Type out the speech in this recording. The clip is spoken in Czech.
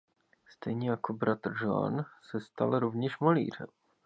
Stejně jako bratr Jean se stal rovněž malířem.